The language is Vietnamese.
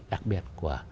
đặc biệt của